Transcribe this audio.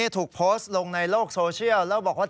ถูกโพสต์ลงในโลกโซเชียลแล้วบอกว่า